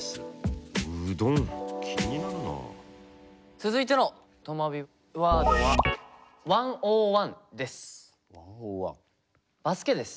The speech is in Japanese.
続いてのとまビワードは１ｏｎ１です。